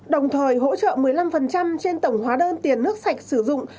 đồng thời hỗ trợ một mươi năm trên tổng hóa đơn tiền nước sạch sử dụng